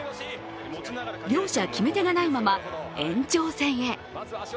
両者、決め手がないまま延長戦へ。